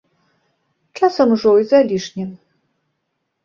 Часам ужо і залішне.